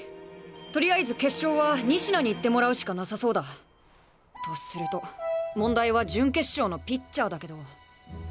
とりあえず決勝は仁科にいってもらうしかなさそうだ。とすると問題は準決勝のピッチャーだけど。